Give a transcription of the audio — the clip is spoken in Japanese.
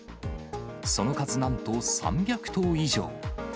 その数なんと３００頭以上。